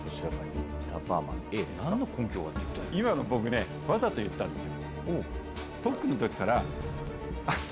今の僕ねわざと言ったんですよ。